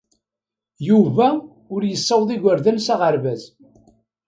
Yuba ur yessawaḍ igerdan s aɣerbaz.